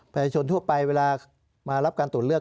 ประชาชนทั่วไปเวลามารับการตรวจเลือก